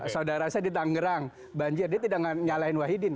saudara saya di tangerang banjir dia tidak nyalahin wahidin